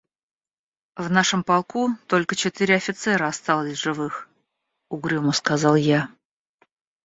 — В нашем полку только четыре офицера осталось в живых, — угрюмо сказал я.